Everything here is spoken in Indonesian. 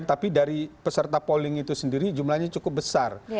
tapi dari peserta polling itu sendiri jumlahnya cukup besar